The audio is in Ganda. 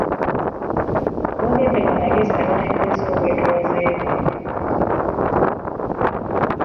Boogedde ku mugenzi ne batendereza obwetowaze bwe